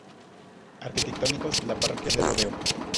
Arquitectónicos: La parroquia de Rodeo.